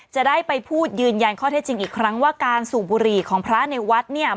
จะได้ไปพูดยืนยันข้อเท็จจริงอีกครั้งว่าการสูบบุหรี่ของพระในวัดเนี่ย